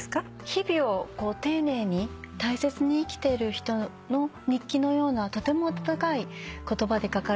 日々を丁寧に大切に生きてる人の日記のようなとても温かい言葉で書かれていて。